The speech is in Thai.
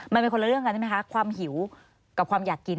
มันเป็นคนละเรื่องกันใช่ไหมคะความหิวกับความอยากกิน